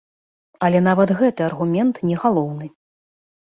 Але нават гэты аргумент не галоўны.